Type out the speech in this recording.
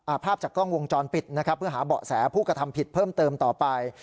ภาพจากกล้องวงจรปิดนะครับเพื่อหาเบาะแสผู้กระทำผิดเพิ่มเติมต่อไป